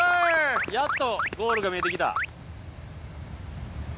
やっとゴールが見えてきた